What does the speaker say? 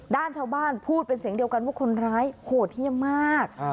ด้านชาวบ้านพูดเป็นเสียงเดียวกันว่าคนร้ายโหดเยี่ยมมาก